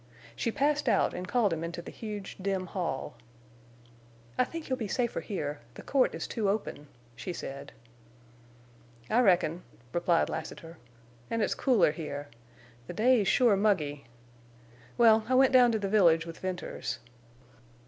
She passed out and called him into the huge, dim hall. "I think you'll be safer here. The court is too open," she said. "I reckon," replied Lassiter. "An' it's cooler here. The day's sure muggy. Well, I went down to the village with Venters."